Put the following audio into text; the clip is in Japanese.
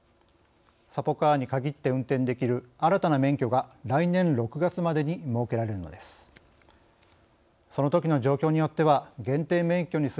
サポカーに限って運転できる新たな免許が来年６月までに設けられるのです。